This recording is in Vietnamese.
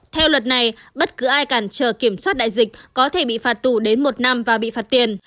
theo luật này bất cứ ai cản trở kiểm soát đại dịch có thể bị phạt tù đến một năm và bị phạt tiền